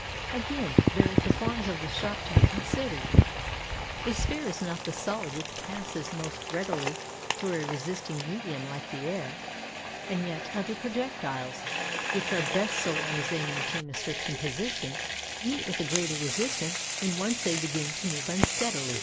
Again, there is the form of the shot to be considered. A sphere is not the solid which passes most readily through a resisting medium like the air; and yet, other projectiles, which are best so long as they maintain a certain position, meet with a greater resistance when once they begin to move unsteadily.